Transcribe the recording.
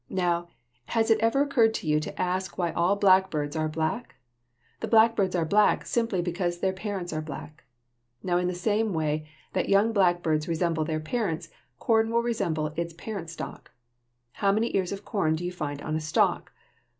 Now, has it ever occurred to you to ask why all blackbirds are black? The blackbirds are black simply because their parents are black. Now in the same way that the young blackbirds resemble their parents, corn will resemble its parent stock. How many ears of corn do you find on a stalk?